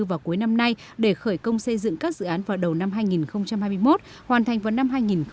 vào cuối năm nay để khởi công xây dựng các dự án vào đầu năm hai nghìn hai mươi một hoàn thành vào năm hai nghìn hai mươi